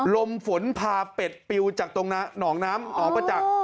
ลมฝนพาเป็ดปิวจากตรงหนองน้ำหนองประจักษ์